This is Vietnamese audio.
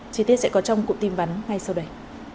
chi tiết sẽ có trong cụm tin vắn ngay sau đây